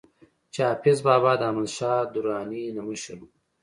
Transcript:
چې حافظ بابا د احمد شاه دراني نه مشر وو